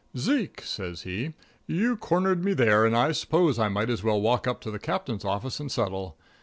"Zeke," says he, "you cornered me there, and I 'spose I might as well walk up to the Captain's office and settle.